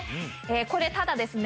これただですね